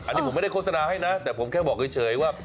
อันนี้ผมไม่ได้โฆษณาให้นะแต่ผมแค่บอกเฉยว่า